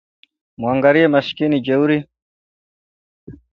Mwangalie, maskini jeuri